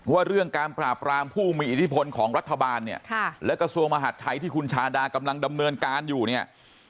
ว่าเรื่องการปราบรามผู้มีอิทธิพลของรัฐบาลเนี่ยและกระทรวงมหาดไทยที่คุณชาดากำลังดำเนินการอยู่เนี่ย